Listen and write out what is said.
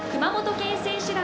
熊本県選手団。